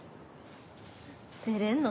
出れるの？